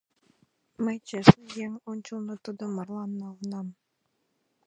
Мый честне, еҥ ончылно тудым марлан налынам.